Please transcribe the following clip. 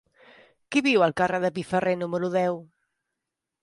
Qui viu al carrer de Piferrer número deu?